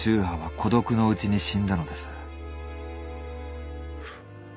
波は孤独のうちに死んだのです。